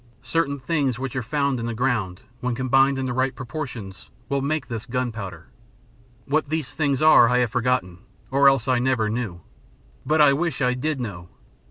Certain things which are found in the ground, when combined in the right proportions, will make this gunpowder. What these things are, I have forgotten, or else I never knew. But I wish I did know.